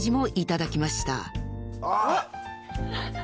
あっ。